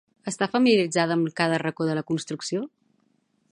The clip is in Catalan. Està familiaritzada amb cada racó de la construcció?